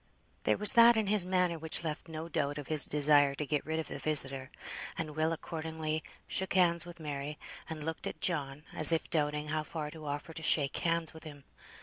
There was that in his manner which left no doubt of his desire to get rid of the visitor, and Will accordingly shook hands with Mary, and looked at John, as if doubting how far to offer to shake hands with him.